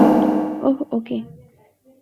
ওহ, ওকে।